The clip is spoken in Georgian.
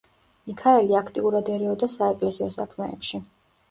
მიქაელი აქტიურად ერეოდა საეკლესიო საქმეებში.